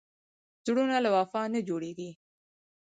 زړونه له وفا نه جوړېږي.